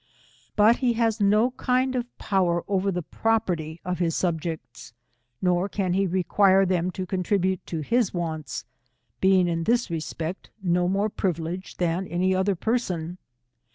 But he has no kind of power over the property of his subjects, nor can he require them to contribute to his wants, being in this respect, no more privileged than any other person.